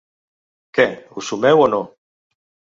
Què, us sumeu o no?